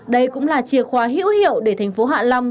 đây cũng là chìa khóa hữu hiệu để thành phố hạ long